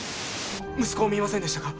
息子を見ませんでしたか？